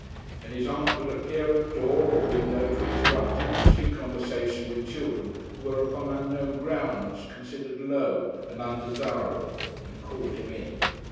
And his aunt would appear at door or window to interrupt interesting conversation with children who were upon unknown grounds considered "low" and undesirable, and call him in.